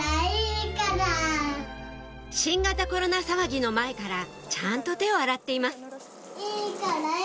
新型コロナ騒ぎの前からちゃんと手を洗っています